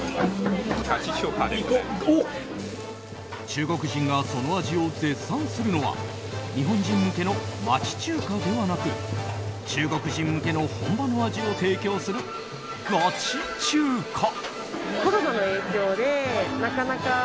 中国人がその味を絶賛するのは日本人向けの町中華ではなく中国人向けの本場の味を提供するガチ中華！